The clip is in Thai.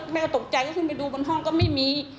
แม่ตกใจก็ขึ้นไปดูบนห้องก็ไม่มี